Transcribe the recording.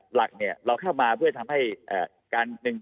หลักเนี่ยเราเข้ามาเพื่อทำให้การหนึ่ง